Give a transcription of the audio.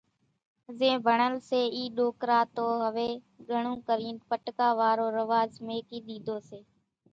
زين ڀڻل سي اِي ڏوڪرا تو هويَ گھڻون ڪرين پٽڪا وارو رواز ميڪِي ۮيڌو سي۔